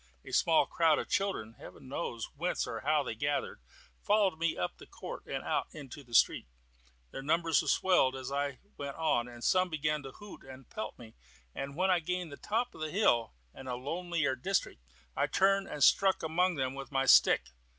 A small crowd of children (Heaven knows whence or how they gathered) followed me up the court and out into the street. Their numbers swelled as I went on, and some began to hoot and pelt me; but when I gained the top of the hill, and a lonelier district, I turned and struck among them with my stick.